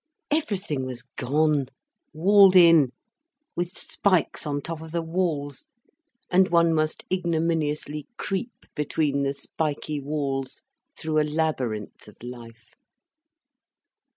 Everything was gone, walled in, with spikes on top of the walls, and one must ignominiously creep between the spiky walls through a labyrinth of life.